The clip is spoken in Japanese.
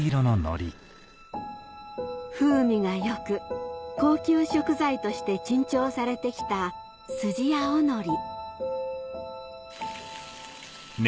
風味が良く高級食材として珍重されてきたスジアオノリ